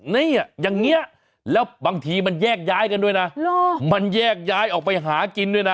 นี่อย่างนี้แล้วบางทีมันแยกย้ายกันด้วยนะมันแยกย้ายออกไปหากินด้วยนะ